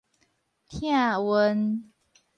疼運